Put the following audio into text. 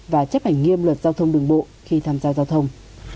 và chấp hành nghiêm luật giao thông đường bộ khi tham gia giao thông